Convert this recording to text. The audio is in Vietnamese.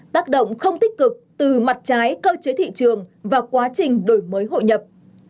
tác động không tích cực từ mặt trái cơ chế thị trường và quá trình đổi mới hội nhập